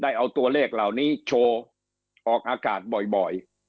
ได้เอาตัวเลขเหล่านี้โชว์ออกอากาศบ่อย